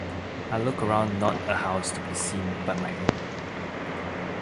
I look around not a house to be seen but my own.